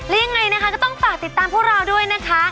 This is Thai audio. ยังไงนะคะก็ต้องฝากติดตามพวกเราด้วยนะคะ